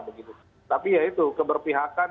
begitu tapi ya itu keberpihakan